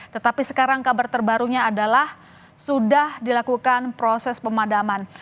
tetapi sekarang kabar terbarunya adalah sudah dilakukan proses pemadaman